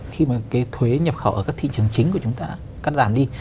khi mà cái thuế nhập khẩu ở các thị trường chính của chúng ta cắt giảm đi